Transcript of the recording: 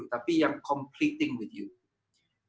tapi yang bergabung dengan anda